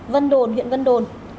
vân đồn huyện vân đồn